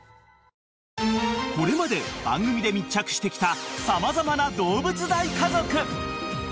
［これまで番組で密着してきた様々などうぶつ大家族］